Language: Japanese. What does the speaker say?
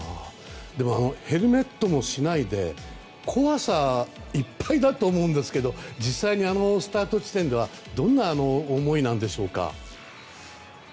ヘルメットもしないで怖さいっぱいだと思うんですけど実際にスタート地点ではどんな思いなんでしょうか。